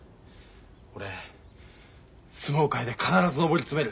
俺相撲界で必ず上り詰める。